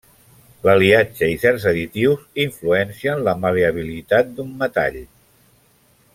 L'aliatge i certs additius influencien la mal·leabilitat d'un metal.